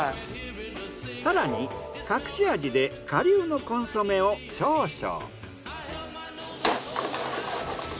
更に隠し味で顆粒のコンソメを少々。